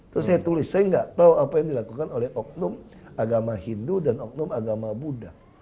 terus saya tulis saya nggak tahu apa yang dilakukan oleh oknum agama hindu dan oknum agama buddha